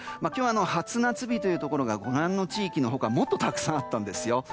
今日、初夏日というところがご覧の地域の他もっとたくさんあったんですよ。